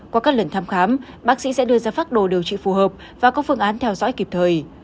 qua các lần thăm khám bác sĩ sẽ đưa ra pháp đồ điều trị phù hợp và có phương án theo dõi kịp thời